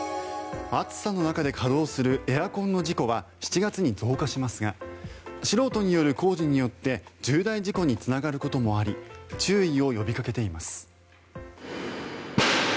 暑さの中で稼働するエアコンの事故は７月に増加しますが素人による工事によって重大事故につながることもあり注意を呼びかけています。